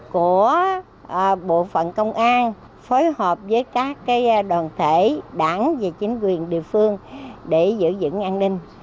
của bộ phận công an phối hợp với các đoàn thể đảng và chính quyền địa phương để giữ dững an ninh